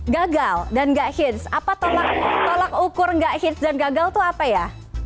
gagal dan nggak hits apa tolak tolak ukur nggak hits dan gagal itu apa ya